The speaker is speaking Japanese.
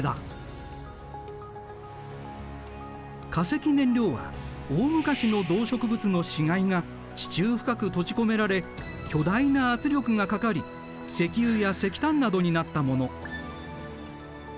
化石燃料は大昔の動植物の死骸が地中深く閉じ込められ巨大な圧力がかかり石油や石炭などになったもの。